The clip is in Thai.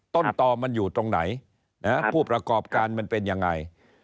ต้นต่อมันอยู่ตรงไหนผู้ประกอบการมันเป็นยังไง